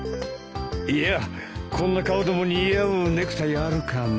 いやこんな顔でも似合うネクタイあるかね？